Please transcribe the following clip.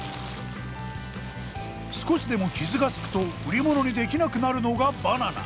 少しでも傷がつくと売り物にできなくなるのがバナナ。